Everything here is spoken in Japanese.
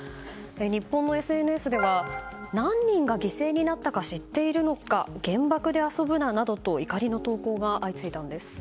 日本のＳＮＳでは、何人が犠牲になったか知っているのか原爆で遊ぶな、などと怒りの投稿が相次いだんです。